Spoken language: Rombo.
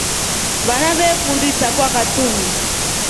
Vana veekundi isaakwa katuni.